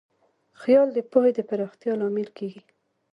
خیال د پوهې د پراختیا لامل کېږي.